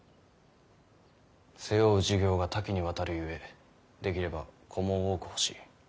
背負う事業が多岐にわたるゆえできれば子も多く欲しい。